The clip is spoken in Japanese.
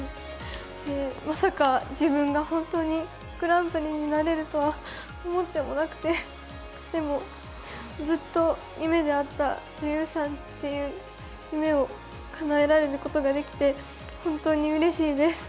まさか自分が本当にグランプリになれるとは思ってもなくて、でも、ずっと夢であった女優さんという夢をかえなられることができて本当にうれしいです。